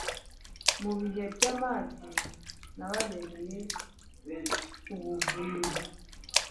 mu bihe by’amage nababere ubuvunyi